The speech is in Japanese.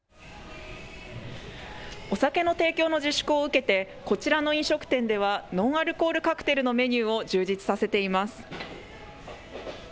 お酒の提供の自粛を受けてこちらの飲食店ではノンアルコールカクテルのメニューを充実させています。